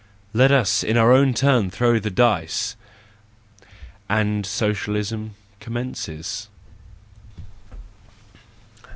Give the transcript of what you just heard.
Let us in our turn throw the dice!—and socialism commences.